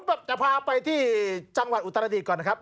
ผมจะพาไปที่จังหวัดอุตรดิษฐก่อนนะครับ